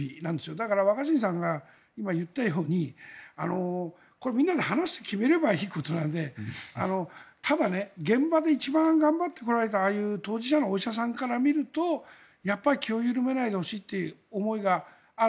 だから若新さんが今言ったようにこれはみんなで話して決めればいいことなのでただ、現場で一番頑張ってこられた当事者のお医者さんから見るとやっぱり気を緩めないでほしいという思いがある。